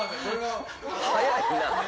早いな！